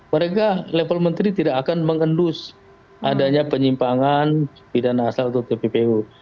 mereka level menteri tidak akan mengendus adanya penyimpangan pidana asal atau tppu